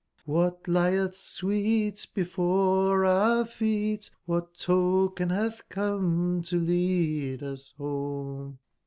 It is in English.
^bat lietb sweet Before our feet? ^bat token batb come TToleadusbome?